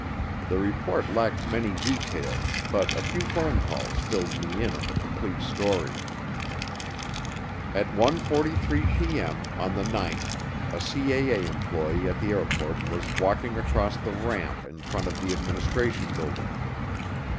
The report lacked many details but a few phone calls filled me in on the complete story. At 1:43P.M. on the ninth a CAA employee at the airport was walking across the ramp in front of the administration building.